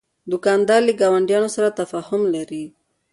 دوکاندار له ګاونډیانو سره تفاهم لري.